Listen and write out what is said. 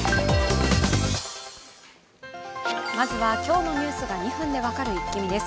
まずは今日のニュースが２分で分かるイッキ見です。